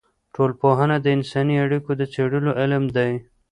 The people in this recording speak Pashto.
ټولنپوهنه د انساني اړیکو د څېړلو علم دی.